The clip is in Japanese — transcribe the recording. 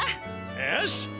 よし！